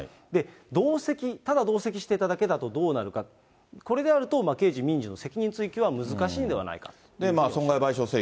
同席、ただ同席していただけだとどうなるか、これであると、刑事、民事の責任追及は難しいんではないかということでした。